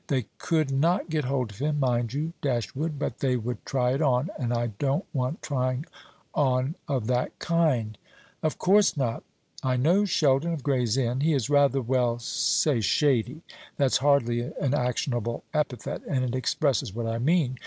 They could not get hold of him, mind you, Dashwood, but they would try it on, and I don't want trying on of that kind." "Of course not. I know Sheldon, of Gray's Inn. He is rather well, say shady. That's hardly an actionable epithet, and it expresses what I mean.